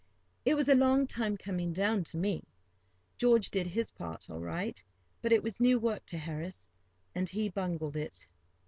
It was a long time coming down to me. George did his part all right, but it was new work to Harris, and he bungled it.